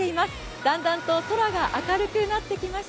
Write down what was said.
だんだんと空が明るくなってきました。